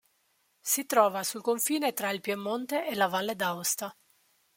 Si trova sul confine tra il Piemonte e la Valle d'Aosta.